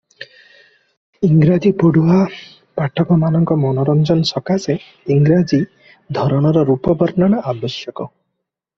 ଇଂରାଜୀ ପଢୁଆ ପାଠକମାନଙ୍କ ମନୋରଞ୍ଜନ ସକାଶେ ଇଂରାଜୀ ଧରଣର ରୂପ ବର୍ଣ୍ଣନା ଆବଶ୍ୟକ ।